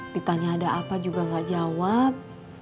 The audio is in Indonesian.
ditanya ada apa juga gak jawab